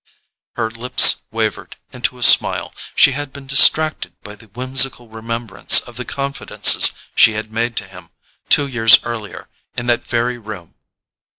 Her lips wavered into a smile—she had been distracted by the whimsical remembrance of the confidences she had made to him, two years earlier, in that very room.